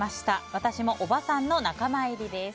私もおばさんの仲間入りです。